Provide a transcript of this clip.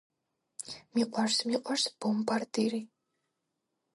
მიყვარს მიყვარს ბომბარდირი.